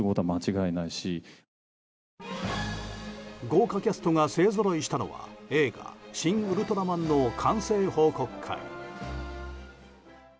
豪華キャストが勢ぞろいしたのは映画「シン・ウルトラマン」の完成報告会。